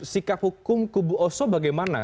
sikap hukum kubu oso bagaimana